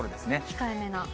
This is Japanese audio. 控えめな。